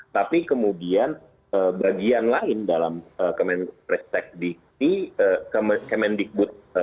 tapi kemudian bagian lain dalam kemendikbud